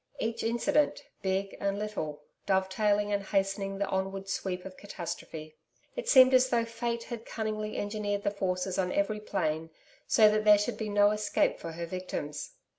Each incident, big and little, dovetailing and hastening the onward sweep of catastrophe. It seemed as though Fate had cunningly engineered the forces on every plane so that there should be no escape for her victims.